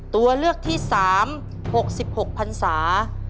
ตัวเลือกที่๓๖๖พันศา